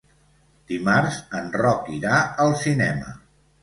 Dimarts en Roc irà al cinema.